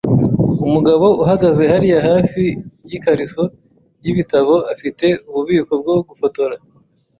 Umugabo uhagaze hariya hafi yikariso yibitabo afite ububiko bwo gufotora.